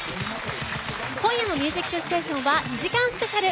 今夜の「ミュージックステーション」は２時間スペシャル。